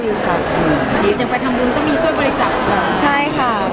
พี่เอ๊ยฮะพี่เอ๊ยฮะ